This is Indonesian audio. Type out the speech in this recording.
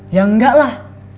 yaa engg sahib